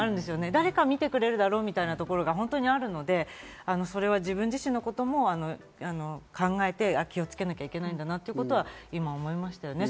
誰かが見てくれるだろうっていうところがあるので自分自身のことも考えて気をつけなきゃいけないんだなっていうことは、今思いましたね。